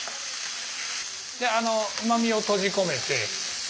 でうまみを閉じ込めて。